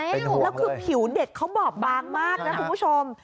และผิวเด็กเค้าบอกบางมากครับคุณผู้ชม